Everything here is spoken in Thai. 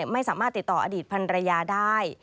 ไม่สามารถติดต่ออดีตพันรยาได้